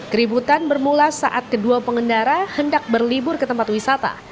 keributan bermula saat kedua pengendara hendak berlibur ke tempat wisata